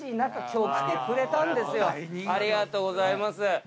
ありがとうございます。